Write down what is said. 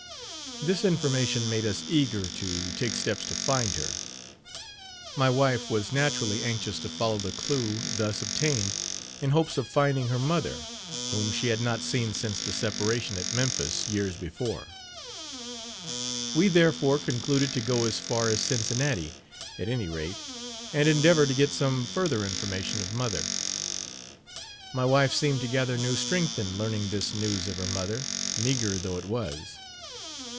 " This information made us eager to take steps to find her. My wife was naturally anxious to follow the clue thus obtained, in hopes of finding her mother, whom she had not seen since the separation at Memphis years before. We, therefore, concluded to go as far as Cincinnati, at any rate, and endeavor to get some further information of mother. My wife seemed to gather new strength in learning this news of her mother, meager though it was.